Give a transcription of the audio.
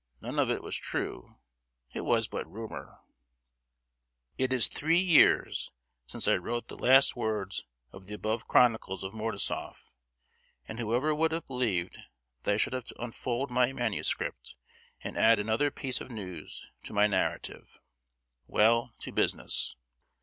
None of it was true; it was but rumour!—— ‐‐‐‐‐‐‐‐‐‐‐‐‐‐‐‐‐‐‐‐‐‐‐‐‐‐‐‐‐‐‐‐‐‐‐‐‐ It is three years since I wrote the last words of the above chronicles of Mordasof, and whoever would have believed that I should have to unfold my MS., and add another piece of news to my narrative? Well, to business!